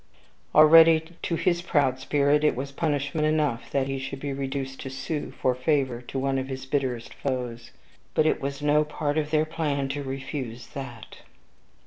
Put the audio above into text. Already, to his proud spirit, it was punishment enough that he should be reduced to sue for favor to one of his bitterest foes. But it was no part of their plan to refuse THAT.